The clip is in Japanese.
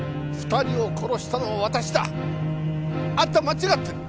２人を殺したのは私だ。あんた間違ってる！